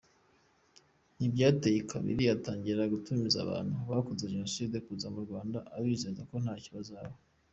Ntibyateye kabiri atangira gutumiza abantu «bakoze jonoside » kuza mu Rwanda abizeza ko ntacyo bazaba.